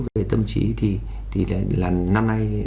về tâm trí thì là năm nay